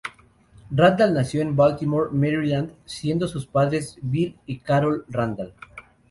Randall nació en Baltimore, Maryland, siendo sus padres Bill y Carol Randall.